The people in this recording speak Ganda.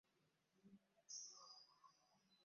Ewange tusinga kulya bijanjaalo.